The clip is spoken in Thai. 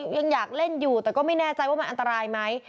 ยังอยากเล่นอยู่แต่ก็ไม่แน่ใจว่ามันอันตรายไหม